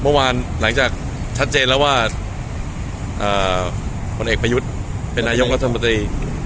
เมื่อวานหลังจากชัดเจนแล้วว่าผลเอกประยุทธ์เป็นนายกรัฐมนตรี